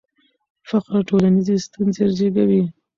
فقر ټولنیزې ستونزې زیږوي.